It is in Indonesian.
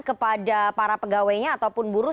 kepada para pegawainya ataupun buruh